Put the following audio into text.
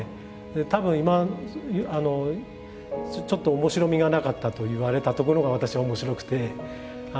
たぶん今ちょっと面白みがなかったと言われたところが私は面白くて。